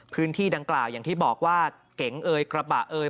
พื้นที่ดังกล่าวอย่างที่บอกว่าเก๋งเอยกระบะเอ่ย